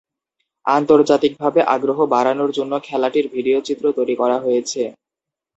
আন্তর্জাতিকভাবে আগ্রহ বাড়ানোর জন্য খেলাটির ভিডিও চিত্র তৈরি করা হয়েছে।